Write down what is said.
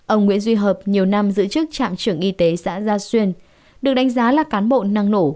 ông nguyễn duy hợp nhiều năm giữ trước trạm trưởng y tế xã gia xuyên được đánh giá là cán bộ năng nổ